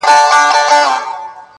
حیا مي ژبه ګونګۍ کړې ده څه نه وایمه-